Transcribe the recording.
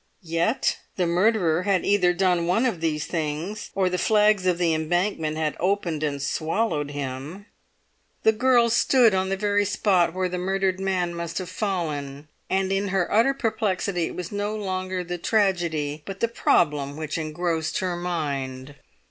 Yet the murderer had either done one of these things, or the flags of the Embankment had opened and swallowed him. The girl stood on the very spot where the murdered man must have fallen, and in her utter perplexity it was no longer the tragedy but the problem which engrossed her mind.